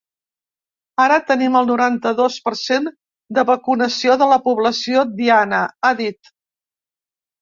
Ara tenim el noranta-dos per cent de vacunació de la població diana, ha dit.